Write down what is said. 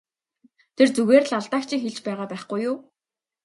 Тэр зүгээр л алдааг чинь хэлж байгаа байхгүй юу!